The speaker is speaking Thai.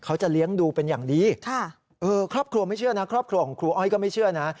เขาจะเลี้ยงดูเป็นอย่างดีครอบครัวไม่เชื่อนะครอบครัวของครูอ้อยก็ไม่เชื่อนะ